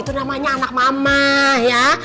itu namanya anak mama ya